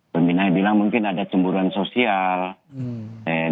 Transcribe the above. pembina bilang mungkin ada cemburan sosial dalam hal kasus ini